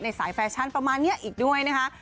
สายแฟชั่นประมาณนี้อีกด้วยนะคะ